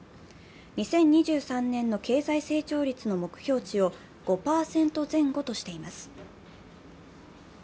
２０２３年の経済成長率の目標値を５％前後としています。